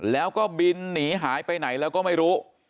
แล้วก็บินหนีหายไปไหนแล้วก็ไม่รู้